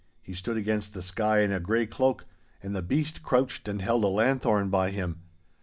He stood against the sky in a grey cloak, and the beast crouched and held a lanthorn by him.